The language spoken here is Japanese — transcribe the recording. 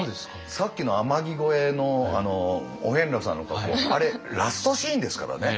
さっきの「天城越え」のお遍路さんのとこあれラストシーンですからね。